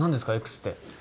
Ｘって。